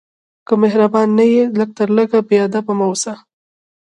که مهربان نه یې، لږ تر لږه بېادبه مه اوسه.